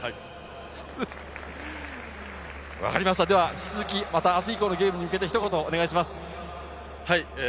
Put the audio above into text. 引き続き、また明日以降のゲームに向けてお願いします。